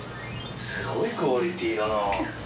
すごいクオリティーだな。